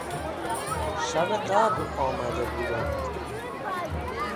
شب قبل آمده بودند.